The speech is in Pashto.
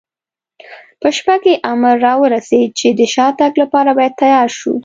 په شپه کې امر را ورسېد، چې د شاتګ لپاره باید تیار شو.